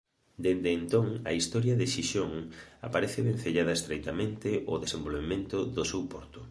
Dende entón a historia de Xixón aparece vencellada estreitamente ao desenvolvemento do seu porto.